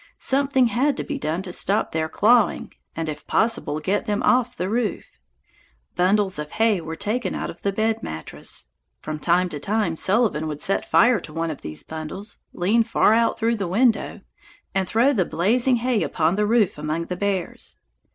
Something had to be done to stop their clawing and if possible get them off the roof. Bundles of hay were taken out of the bed mattress. From time to time Sullivan would set fire to one of these bundles, lean far out through the window, and throw the blazing hay upon the roof among the bears.